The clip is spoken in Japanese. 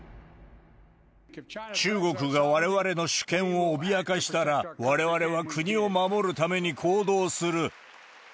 中国がわれわれの主権を脅かしたら、われわれは国を守るために行動する。